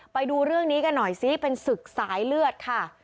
ไปดูเรื่องนี้กันหน่อยซิเป็นศึกสายเลือดค่ะ